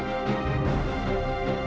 aku b mantar